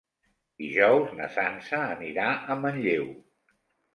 Dijous na Sança anirà a Manlleu.